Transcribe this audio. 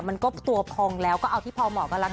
มันก็ตัวพองแล้วก็เอาที่พอเหมาะกันละกัน